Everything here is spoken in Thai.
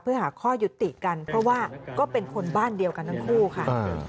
เพื่อหาข้อยุติกันเพราะว่าก็เป็นคนบ้านเดียวกันทั้งคู่ค่ะ